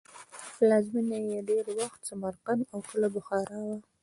پلازمینه یې ډېر وخت سمرقند او کله بخارا وه.